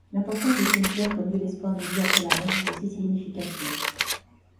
L'importance du cimetière comme lieu d'espoir d'une vie après la mort est aussi significative.